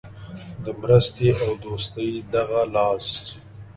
د مرستې او دوستۍ دغه لاس.